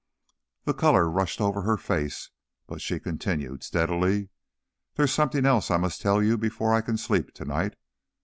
The colour rushed over her face, but she continued steadily: "There's something else I must tell you before I can sleep to night.